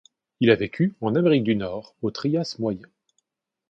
Il a vécu en Amérique du Nord au Trias moyen.